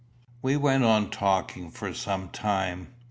We went on talking for some time.